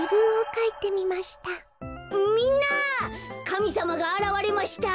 かみさまがあらわれました。